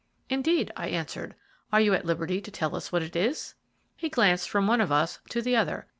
"Indeed," I answered; "are you at liberty to tell us what it is?" He glanced from one of us to the other.